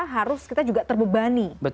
harus kita juga terbebani